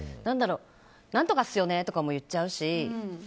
何とかっすよねとかも言っちゃうし。